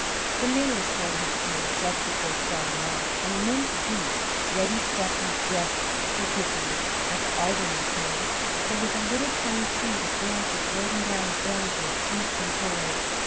The mayor's son had seen, just before starting off, an immense goose ready stuffed and dressed for cooking. At the alderman's home there was a little pine tree with branches laden down with oranges, sweets, and toys.